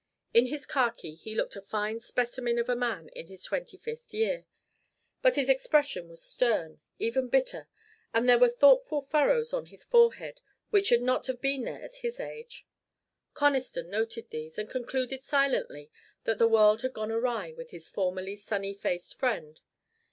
In his khaki he looked a fine specimen of a man in his twenty fifth year. But his expression was stern, even bitter, and there were thoughtful furrows on his forehead which should not have been there at his age. Conniston noted these, and concluded silently that the world had gone awry with his formerly sunny faced friend.